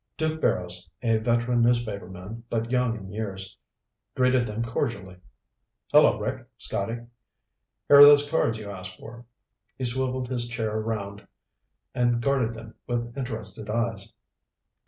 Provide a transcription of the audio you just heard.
Duke Barrows, a veteran newspaperman but young in years, greeted them cordially. "Hello, Rick, Scotty. Here are those cards you asked for." He swiveled his chair around and regarded them with interested eyes.